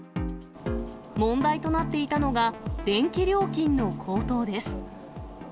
問題となっていたのが、電気料金の高騰です。